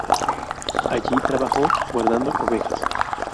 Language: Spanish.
Allí trabajó guardando ovejas.